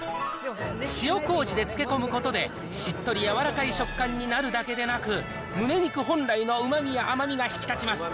塩こうじで漬け込むことでしっとり柔らかい食感になるだけでなく、むね肉本来のうまみや甘みが引き立ちます。